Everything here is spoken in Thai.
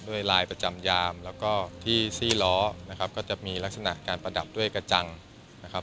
ลายประจำยามแล้วก็ที่ซี่ล้อนะครับก็จะมีลักษณะการประดับด้วยกระจังนะครับ